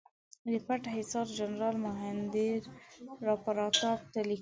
د پتک حصار جنرال مهیندراپراتاپ ته لیکلي.